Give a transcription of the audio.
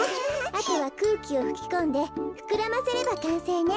あとはくうきをふきこんでふくらませればかんせいね。